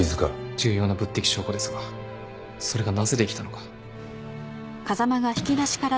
重要な物的証拠ですがそれがなぜできたのか。